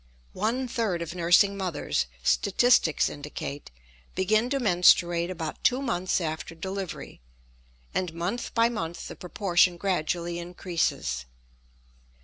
One third of nursing mothers, statistics indicate, begin to menstruate about two months after delivery, and month by month the proportion gradually increases.